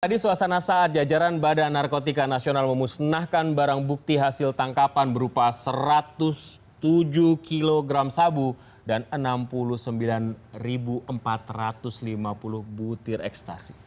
tadi suasana saat jajaran badan narkotika nasional memusnahkan barang bukti hasil tangkapan berupa satu ratus tujuh kg sabu dan enam puluh sembilan empat ratus lima puluh butir ekstasi